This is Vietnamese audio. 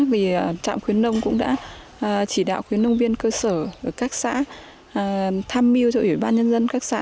vì trạm khuyến nông cũng đã chỉ đạo khuyến nông viên cơ sở các xã tham mưu cho ủy ban nhân dân các xã